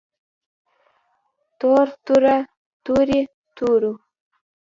تور توره تورې تورو